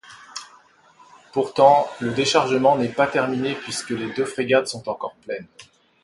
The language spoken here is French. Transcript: Pourtant, le déchargement n’est pas terminé puisque les deux frégates sont encore pleines.